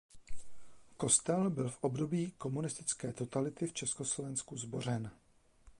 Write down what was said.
Kostel byl v období komunistické totality v Československu zbořen.